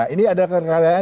ini ada kekayaan